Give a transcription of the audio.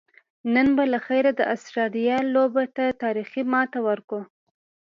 نن به لخیره د آسترالیا لوبډلې ته تاریخي ماته ورکوو